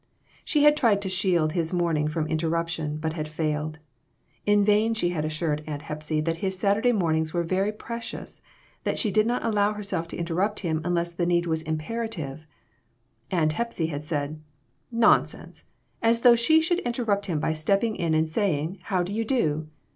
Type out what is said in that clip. She had tried to shield his morning from inter ruption, but had failed. In vain she had assured Aunt Hepsy that his Saturday mornings were very precious; that she did not allow herself to interrupt him unless the need was imperative; Aunt Hepsy had said "Nonsense; as though she should interrupt him by stepping in and saying, ' How do you do